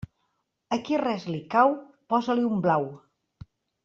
A qui res li cau, posa-li un blau.